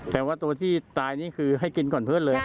แต่ว่าตัวที่ตายนี่คือให้กินก่อนเพื่อนเลย